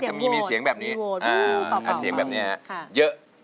สมัยก่อนเพลงลูกทุ่งถ้า